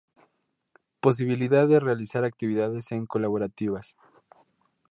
Posibilidad de realizar actividades en colaborativas.